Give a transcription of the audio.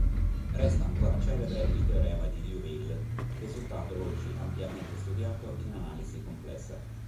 Resta ancora celebre il teorema di Liouville, risultato oggi ampiamente studiato in analisi complessa.